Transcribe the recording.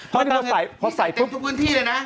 พอใส่เต็มทุกพื้นที่เลยนะ